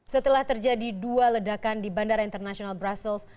setelah terjadi dua ledakan di bandara internasional brussels